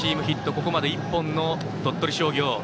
ここまで１本の鳥取商業。